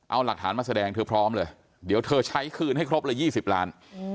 เอาหลักฐานมาแสดงเธอพร้อมเลยเดี๋ยวเธอใช้คืนให้ครบเลย๒๐ล้าน